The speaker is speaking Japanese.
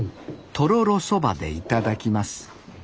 とろろそばでいただきます